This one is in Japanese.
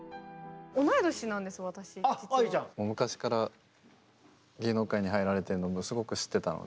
昔から芸能界に入られてるのもすごく知ってたので。